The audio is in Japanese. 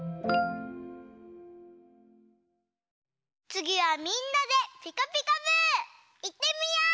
つぎはみんなで「ピカピカブ！」いってみよう！